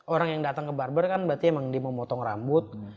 orang yang datang ke barber kan berarti memang dia mau motong rambut